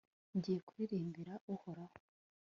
ngiye kuririmbira uhoraho